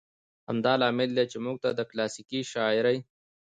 همدا لامل دى، چې موږ ته د کلاسيکې شاعرۍ